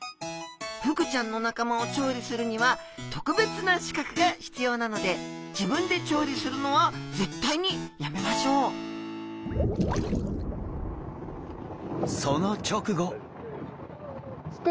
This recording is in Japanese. フグちゃんの仲間を調理するには特別な資格が必要なので自分で調理するのは絶対にやめましょうその直後！